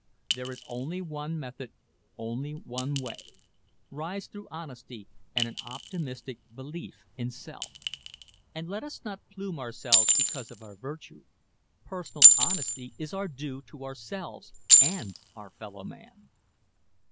There is only one method, only one way ... rise through honesty and an optimistic belief in self. And let us not plume ourselves because of our virtue. _Personal honesty is our due to ourselves and our fellow man.